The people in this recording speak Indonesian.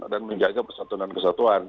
dan menjaga persatuan dan kesatuan